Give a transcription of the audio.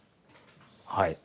はい。